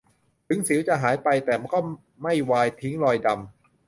ถึงสิวจะหายไปแต่ก็ไม่วายทิ้งรอยดำ